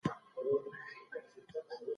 ميرويس خان نيکه فتوا څنګه په پټه ساتله؟